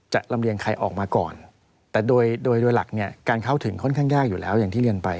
ลำเรียงใครออกมาก่อนแต่โดยโดยหลักเนี่ยการเข้าถึงค่อนข้างยากอยู่แล้วอย่างที่เรียนไป